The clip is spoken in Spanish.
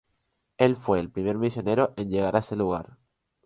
Él fue el primer misionero en llegar a ese lugar.